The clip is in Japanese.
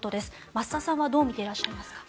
増田さんはどう見ていらっしゃいますか？